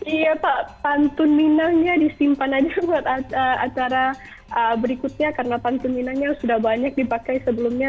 iya pak pantun minangnya disimpan aja buat acara berikutnya karena pantun minangnya sudah banyak dipakai sebelumnya